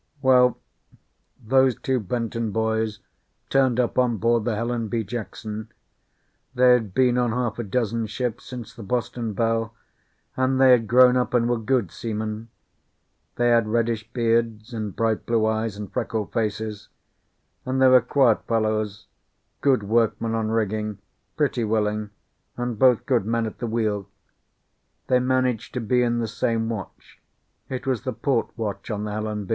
Well, those two Benton boys turned up on board the Helen B. Jackson. They had been on half a dozen ships since the Boston Belle, and they had grown up and were good seamen. They had reddish beards and bright blue eyes and freckled faces; and they were quiet fellows, good workmen on rigging, pretty willing, and both good men at the wheel. They managed to be in the same watch it was the port watch on the _Helen B.